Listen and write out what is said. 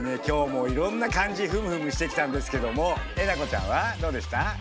今日もいろんな漢字ふむふむしてきたんですけどもえなこちゃんはどうでした？